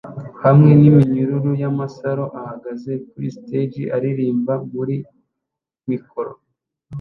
hamwe n'iminyururu y'amasaro ahagaze kuri stage aririmba muri mikoro